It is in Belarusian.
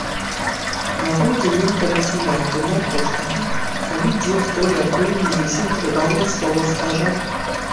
Наводзіў ён паліцыянтаў на кожнага, калі дзе хто якое не зусім трывалае слова скажа.